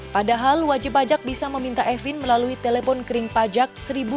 padahal wajib pajak bisa meminta e filling melalui telepon kering pajak satu lima dua